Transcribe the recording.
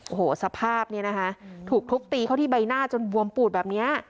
โอ้โหสภาพเนี่ยนะคะถูกทุบตีเข้าที่ใบหน้าจนบวมปูดแบบเนี้ย